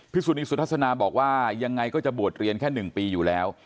สุนีสุทัศนาบอกว่ายังไงก็จะบวชเรียนแค่๑ปีอยู่แล้ว